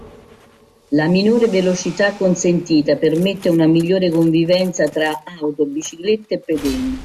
La minore velocità consentita permette una migliore convivenza tra auto, biciclette e pedoni.